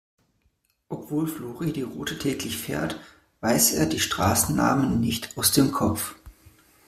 Obwohl Flori die Route täglich fährt, weiß er die Straßennamen nicht aus dem Kopf.